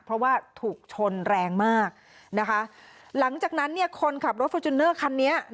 เพราะว่าถูกชนแรงมากนะคะหลังจากนั้นคนขับรถฟอร์จูเนอร์คันนี้